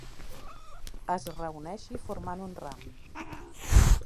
Es reuneixi formant un ram.